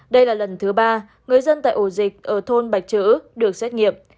đây là lần thứ ba người dân tại ổ dịch ở thôn bạch chữ được xét nghiệm